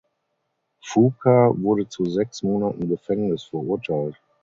Fuka wurde zu sechs Monaten Gefängnis verurteilt.